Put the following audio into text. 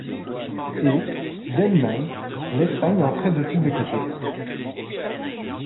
Et, d'elle-même, l'Espagne entrait de tous les côtés.